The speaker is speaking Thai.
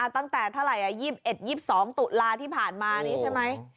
ตั้งแต่เท่าไหร่๒๑๒๒ตุลาที่ผ่านมานี้ใช่ไหม